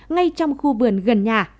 ngay trong khu vườn gần nhà